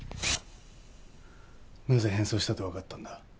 なぜ変装したって分かったんだ？